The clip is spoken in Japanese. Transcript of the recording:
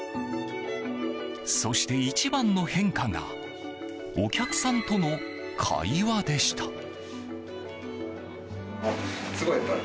そして、一番の変化がお客さんとの会話でした。